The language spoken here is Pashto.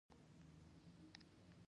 د یو سرلوړي ملت لپاره.